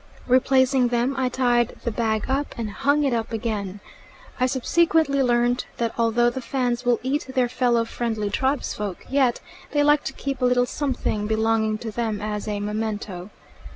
Replacing them I tied the bag up, and hung it up again. I subsequently learnt that although the Fans will eat their fellow friendly tribesfolk, yet they like to keep a little something belonging to them as a memento.